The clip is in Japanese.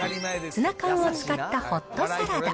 ツナ缶を使ったホットサラダ。